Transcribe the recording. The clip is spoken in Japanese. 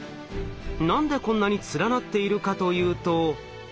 何でこんなに連なっているかというと。